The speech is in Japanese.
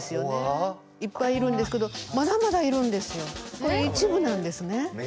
これ一部なんですね。